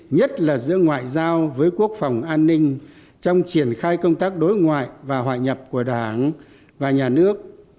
nhất là giữa ngoại giao với quốc phòng an ninh trong triển khai công tác đối ngoại và họa nhập của đảng và nhà nước